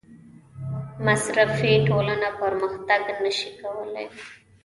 مصرفي ټولنه پرمختګ نشي کولی.